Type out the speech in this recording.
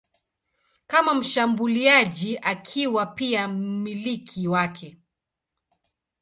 kama mshambuliaji akiwa pia mmiliki wake.